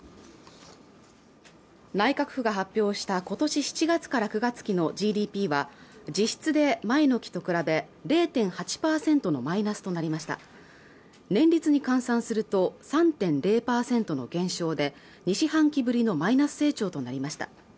内閣府が発表したことし７月から９月期のＧＤＰは実質で前の期と比べ０．８％のマイナスとなりました年率に換算すると３．０パーセントの減少で２四半期ぶりのマイナス成長となりました